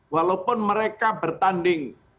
walaupun mereka bertanding